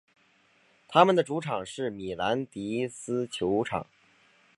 他们的主场是米兰迪斯球场。